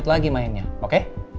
ke kamar yuk